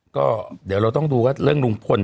ก็เดี๋ยวเราต้องดูว่าเรื่องลุงพล